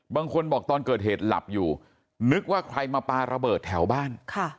บางคนบอกตอนเกิดเหตุหลับอยู่นึกว่าใครมาปลาระเบิดแถวบ้าน